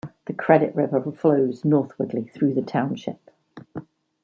The Credit River flows northwardly through the township.